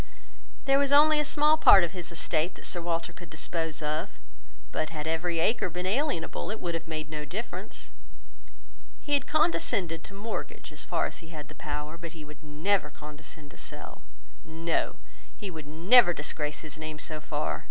There was only a small part of his estate that Sir Walter could dispose of; but had every acre been alienable, it would have made no difference. He had condescended to mortgage as far as he had the power, but he would never condescend to sell. No; he would never disgrace his name so far.